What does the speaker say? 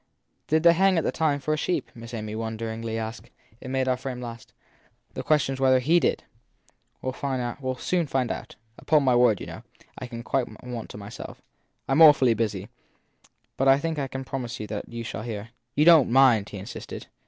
Did they hang at that time for a sheep? Miss Amy wonderingly asked. It made their friend laugh again. The question s whether he did! But we ll find out. Upon my word, you know, I quite want to myself. I m awfully busy, but I think I can promise you that you shall hear. You don t mind? he insisted.